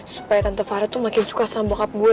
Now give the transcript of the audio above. supaya tante farah tuh makin suka sama bokap gue